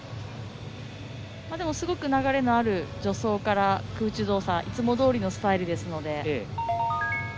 でも、すごく流れのある助走から空中動作いつもどおりのスタイルですので。